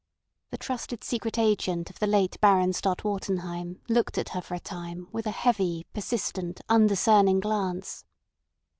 The trusted secret agent of the late Baron Stott Wartenheim looked at her for a time with a heavy, persistent, undiscerning glance.